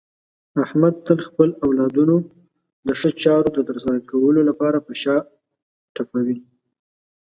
احمد تل خپل اولادونو د ښو چارو د ترسره کولو لپاره په شا ټپوي.